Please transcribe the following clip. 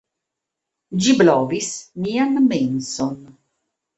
Ĝi blovis mian menson.